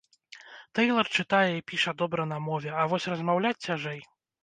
Тэйлар чытае і піша добра на мове, а вось размаўляць цяжэй.